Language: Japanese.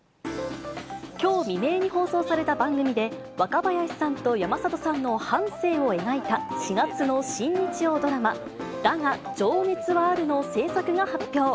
きょう未明に放送された番組で、若林さんと山里さんの半生を描いた４月の新日曜ドラマ、だが、情熱はあるの制作が発表。